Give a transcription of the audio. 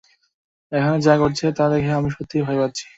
এখানে যা ঘটছে তা দেখে আমি সত্যিই ভয় পাচ্ছি।